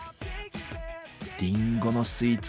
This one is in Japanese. りんごのスイーツ